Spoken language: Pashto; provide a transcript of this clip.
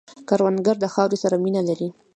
کروندګر د خاورې سره مینه لري